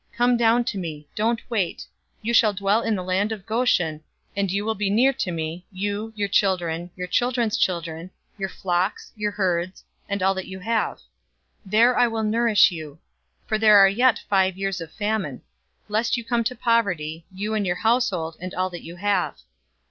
Come down to me. Don't wait. 045:010 You shall dwell in the land of Goshen, and you will be near to me, you, your children, your children's children, your flocks, your herds, and all that you have. 045:011 There I will nourish you; for there are yet five years of famine; lest you come to poverty, you, and your household, and all that you have."'